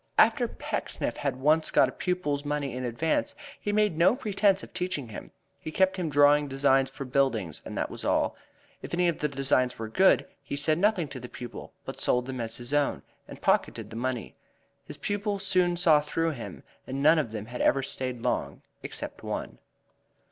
After Pecksniff had once got a pupil's money in advance, he made no pretense of teaching him. He kept him drawing designs for buildings, and that was all. If any of the designs were good, he said nothing to the pupil, but sold them as his own, and pocketed the money. His pupils soon saw through him and none of them had ever stayed long except one.